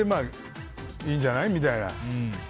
いいんじゃない？みたいな。